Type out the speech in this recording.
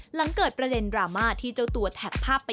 หลังเกิดประเด็นดราม่าที่เจ้าตัวแท็กภาพไป